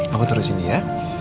aku taruh sini ya